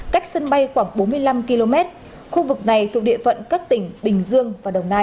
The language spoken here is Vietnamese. cách sân bay khoảng bốn mươi năm km khu vực này thuộc địa phận các tỉnh bình dương và đồng nai